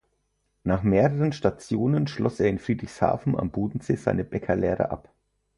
Nach mehreren Stationen schloss er in Friedrichshafen am Bodensee seine Bäcker-Lehre ab.